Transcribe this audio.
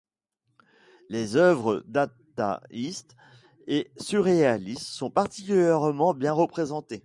Les œuvres dadaistes et surréalistes sont particulièrement bien représentées.